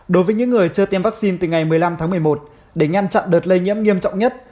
đối với những người chưa tiêm vaccine từ ngày một mươi năm tháng một mươi một để ngăn chặn đợt lây nhiễm nghiêm trọng nhất